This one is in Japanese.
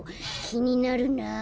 きになるなあ。